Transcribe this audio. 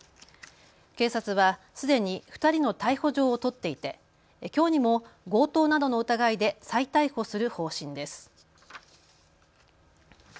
警察はすでに２人の逮捕状を取っていてきょうにも強盗などの疑いで再逮捕する方針です。